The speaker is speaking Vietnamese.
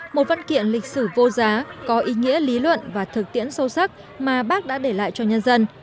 một văn kiện lịch sử vô giá có ý nghĩa lý luận và thực tiễn sâu sắc mà bác đã để lại cho nhân dân